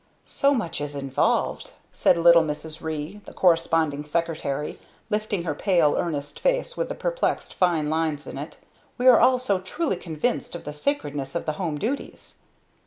"So much is involved!" said little Mrs. Ree, the Corresponding Secretary, lifting her pale earnest face with the perplexed fine lines in it. "We are all so truly convinced of the sacredness of the home duties!"